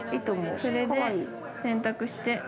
◆それで、選択して。